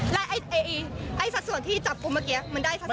แล้วไอ้สักส่วนที่จับผมเมื่อกี้มันได้สักส่วน